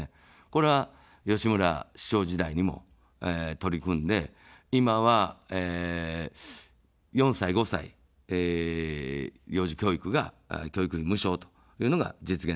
これは、吉村市長時代にも取り組んで、今は、４歳、５歳、幼児教育が教育費無償というのが実現できてるし。